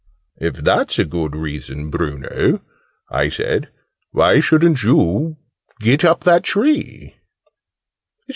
"If that's a good reason, Bruno," I said, "why shouldn't you get up that tree?"